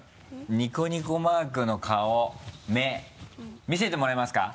ニコニコマークの顔目見せてもらえますか？